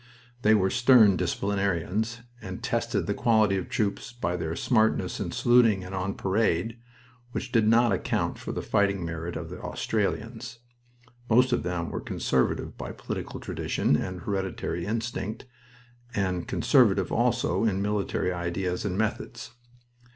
They were stern disciplinarians, and tested the quality of troops by their smartness in saluting and on parade, which did not account for the fighting merit of the Australians. Most of them were conservative by political tradition and hereditary instinct, and conservative also in military ideas and methods.